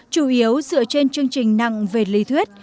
chủ yếu dựa trên chương trình nặng về lý thuyết